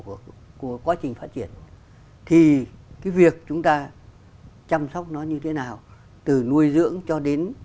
của quá trình phát triển thì cái việc chúng ta chăm sóc nó như thế nào từ nuôi dưỡng cho đến